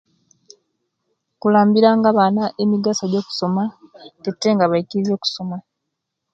Kukambira nga abaana emigaso gyo kusoma ate nga baikiriria okusoma